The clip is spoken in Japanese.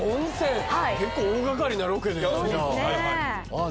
結構大掛かりなロケでじゃあ。